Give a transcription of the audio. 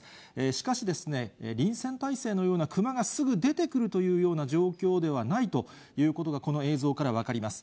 しかし、臨戦態勢のような、クマがすぐ出てくるというような状況ではないということがこの映像から分かります。